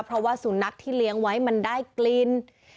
เพราะว่าสุนัขที่เลี้ยงไว้มันได้กลิ่น